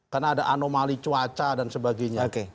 karena ada anomali cuaca dan sebagainya